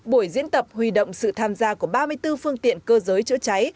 buổi diễn tập huy động sự tham gia của ba mươi bốn phương tiện cơ giới chữa cháy